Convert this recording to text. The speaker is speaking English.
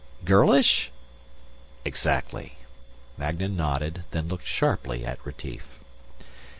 "Girlish?" "Exactly." Magnan nodded, then looked sharply at Retief.